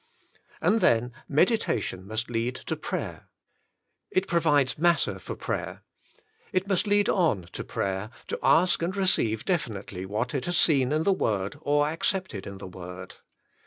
And then meditation must lead to prayer. It provides matter for prayer. It must lead on to prayer, to ask and receive definitely what it has seen in the Word or accepted in the Word.